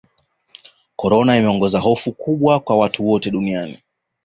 korona imeogeza hofu kubwa kwa watu wote duniani